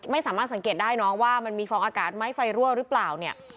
ไม่สามารถสังเกตได้น้องว่ามันมีฟองอากาศไหมไฟรั่วหรือเปล่าเนี่ย